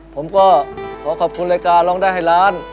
ผมก็ขอขอบคุณรายการร้องได้ให้ล้าน